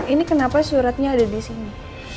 ini kenapa suratnya ada di sini